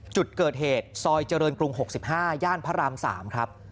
จุดเกิดเหตุซอยเจริญกรุง๖๕ย่านพระราม๓ครับ